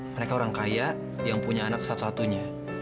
mereka orang kaya yang punya anak satu satunya